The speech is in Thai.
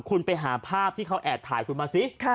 คุณไปหาภาพที่เขาแอบถ่ายคุณมาสิ